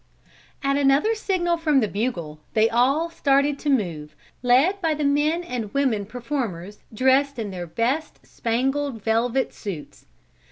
At another signal from the bugle, they all started to move, led by the men and women performers, dressed in their best spangled velvet suits.